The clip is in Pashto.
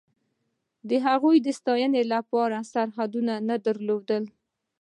د هغوی د ستایلو لپاره سرحدونه نه درلودل.